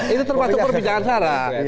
itu termasuk perbincangan sarah